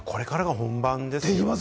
これからは本番ですよね。